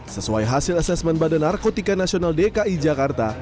sesuai hasil asesmen badan narkotika nasional dki jakarta